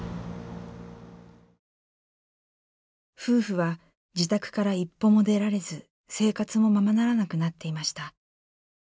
夫婦は自宅から一歩も出られず生活もままならなくなっていました。